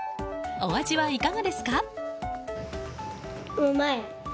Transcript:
お味はいかがですか？